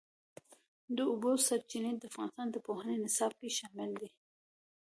د اوبو سرچینې د افغانستان د پوهنې نصاب کې شامل دي.